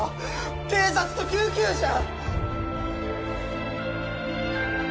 警察と救急車！